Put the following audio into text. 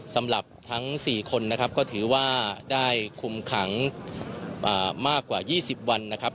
สำหรับทั้ง๔คนนะครับก็ถือว่าได้คุมขังมากกว่า๒๐วันนะครับ